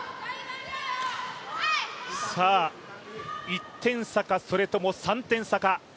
１点差か、それとも３点差か。